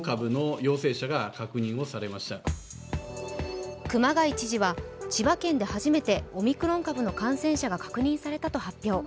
更に熊谷知事は、千葉県で初めてオミクロン株の感染者が確認されたと発表。